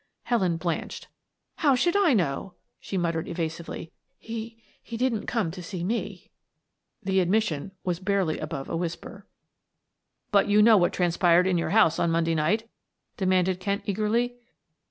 Helen blanched. "How should I know," she muttered evasively. "He he didn't come to see me the admission was barely above a whisper. "But you know what transpired in your house on Monday night?" demanded Kent eagerly.